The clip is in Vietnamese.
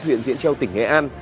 huyện diễn châu tỉnh nghệ an